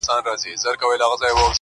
ته له چا څخه په تېښته وارخطا یې٫